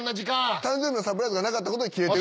誕生日のサプライズがなかったことにキレてる？